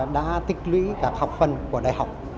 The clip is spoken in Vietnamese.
đã tích lũy các học phần của đại học